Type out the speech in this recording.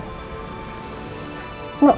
tapi kenapa sih